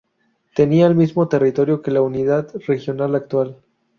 Tenía el mismo territorio que la unidad regional actual.